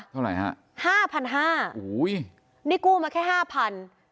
เท่าไหร่ฮะห้าพันห้าโอ้โหนี่กู้มาแค่ห้าพัน